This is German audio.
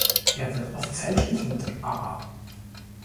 Er wird oft fälschlich mit „A.